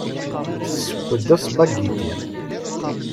Tesseww-d aspagiti.